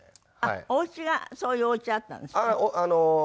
あっおうちがそういうおうちだったんですか？